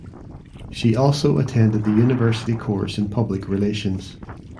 She also attended the university course in public relations.